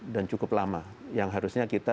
dan cukup lama yang harusnya kita